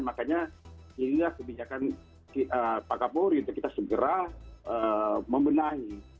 makanya inilah kebijakan pak kapolri untuk kita segera membenahi